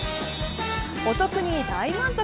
お得に大満足。